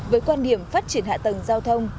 với quan điểm phát triển hạ tầng giao thông